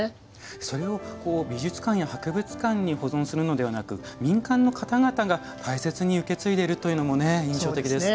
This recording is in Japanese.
それを美術館や博物館に保存するのではなく民間の方々が大切に受け継いでいるのも印象的です。